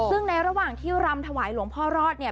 ซึ่งในระหว่างที่รำถวายหลวงพ่อรอดเนี่ย